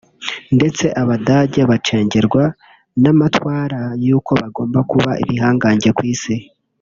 ndetse abadage bacengerwa n’amatwara y’uko bagomba kuba ibihangange ku isi